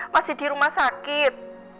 masih di rumah sakit